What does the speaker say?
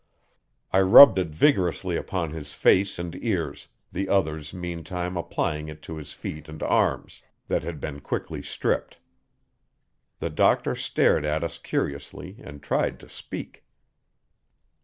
I rubbed it vigorously upon his face and ears, the others meantime applying it to his feet and arms, that had been quickly stripped. The doctor stared at us curiously and tried to speak.